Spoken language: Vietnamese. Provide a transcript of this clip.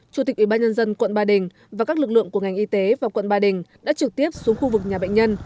chủ tịch ủy ban nhân dân quận ba đình và các lực lượng của ngành y tế và quận ba đình đã trực tiếp xuống khu vực nhà bệnh nhân